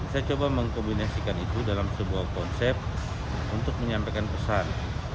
saya coba mengkombinasikan itu dalam sebuah konsep untuk menyampaikan pesan